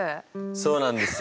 そうなんですよ。